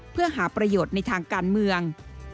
เพื่อหาประโยชน์ในทางการเมือง